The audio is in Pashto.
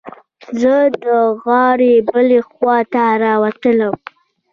زه د غار بلې خوا ته راووتلم.